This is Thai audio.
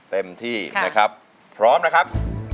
เต็มที่นะครับพร้อมนะครับ